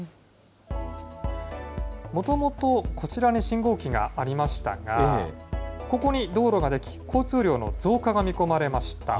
もともとこちらに信号機がありましたが、ここに道路が出来、交通量の増加が見込まれました。